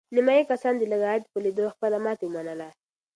نیمایي کسانو د لږ عاید په لیدو خپله ماتې ومنله.